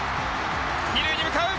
二塁に向かう！